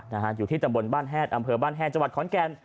อำเภอบ้านแห้นจังหวัดขอนแกน